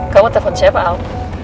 kamu telepon siapa al